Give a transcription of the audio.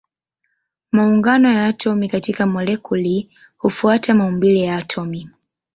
Maungano ya atomi katika molekuli hufuata maumbile ya atomi.